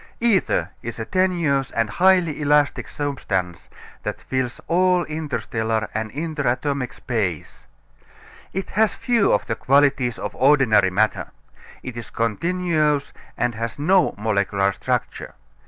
Ether is a tenuous and highly elastic substance that fills all interstellar and interatomic space. It has few of the qualities of ordinary matter. It is continuous and has no molecular structure.